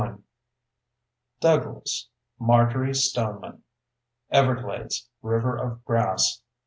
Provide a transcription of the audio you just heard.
Douglas, Marjory Stoneman. _Everglades: River of Grass.